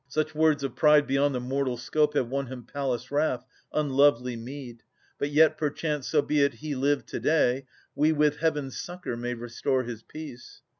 8o Ams [776 803 Such words of pride beyond the mortal scope Have won him Pallas' wrath, unlovely meed. But yet, perchance, so be it he live to day, We, with Heaven's succour, may restore his peace.'